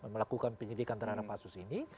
melakukan penyidikan terhadap kasus ini